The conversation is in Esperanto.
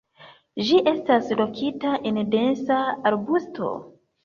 Ĝi estas lokita en densa arbusto.